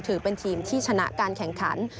ถือเป็นทีมที่ชนะการแข่งขัน